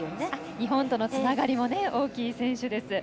日本とのつながりも大きい選手です。